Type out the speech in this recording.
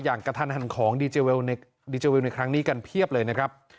กระทันหันของดีเจลดีเจเวลในครั้งนี้กันเพียบเลยนะครับ